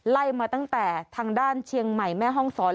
ไล่มาตั้งแต่ทางด้านเชียงใหม่แม่ห้องศร